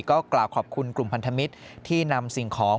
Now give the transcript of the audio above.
ก็กล่าวขอบคุณกลุ่มพันธมิตรที่นำสิ่งของ